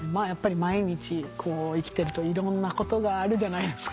毎日生きてるといろんなことがあるじゃないですか。